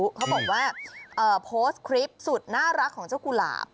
เขาบอกว่าโพสต์คลิปสุดน่ารักของเจ้ากุหลาบ